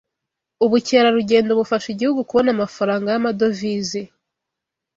ubukerarugendo bufasha igihugu kubona amafaranga y’amadovize